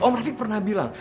om rafiq pernah bilang